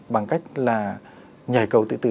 bằng cách là nhảy cầu tự tử